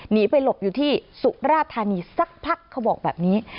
หนีไปหลบอยู่ที่สุราธานีสักพักเขาบอกแบบนี้